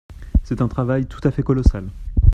C’est un travail tout à fait colossal.